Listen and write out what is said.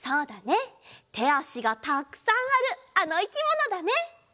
てあしがたくさんあるあのいきものだね。